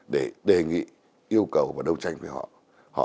để đề nghị yêu cầu và đấu tranh với họ